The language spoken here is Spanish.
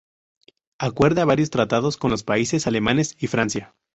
Acuerda varios tratados con los países alemanes y Francia.